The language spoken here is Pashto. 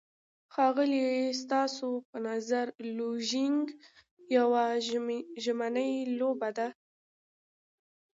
ښاغلی، ستاسو په نظر لوژینګ یوه ژمنی لوبه ده؟